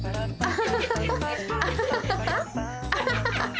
アハハハハ！